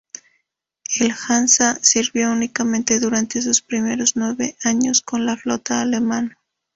El "Hansa" sirvió únicamente durante sus primeros nueve años con la flota alemana.